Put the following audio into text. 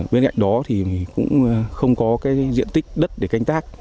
bên cạnh đó cũng không có diện tích đất để canh tác